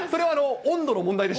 温度の問題です。